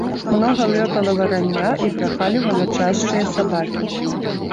Многа лётала варання, і брахалі валачашчыя сабакі.